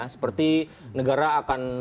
seperti negara akan